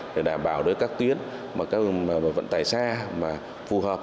để đảm bảo đối với các tuyến các vận tải xa phù hợp